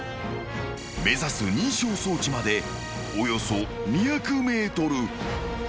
［目指す認証装置までおよそ２００ｍ］